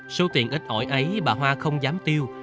số tiền ít ỏi ấy bà hoa không dám tiêu